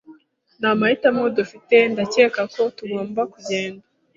Nta mahitamo dufite. Ndakeka ko tugomba kugenda